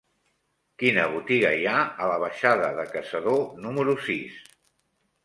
Quina botiga hi ha a la baixada de Caçador número sis?